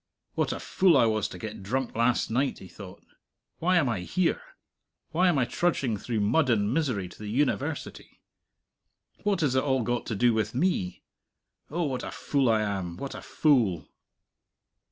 What a fool I was to get drunk last night, he thought. Why am I here? Why am I trudging through mud and misery to the University? What has it all got to do with me? Oh, what a fool I am, what a fool!